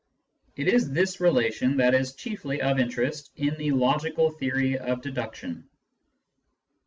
It is this relation that is chiefly of interest in the logical theory of deduction.